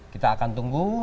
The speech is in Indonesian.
kita akan tunggu